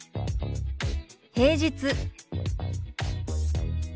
平日。